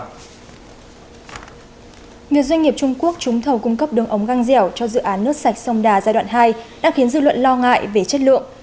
nhiều doanh nghiệp trung quốc trúng thầu cung cấp đường ống gang dẻo cho dự án nước sạch sông đà giai đoạn hai đã khiến dư luận lo ngại về chất lượng